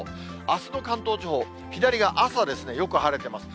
あすの関東地方、左が朝ですね、よく晴れてます。